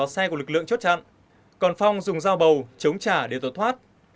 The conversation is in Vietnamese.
xe của lực lượng chốt chặn còn phong dùng dao bầu chống trả để tỏa thoát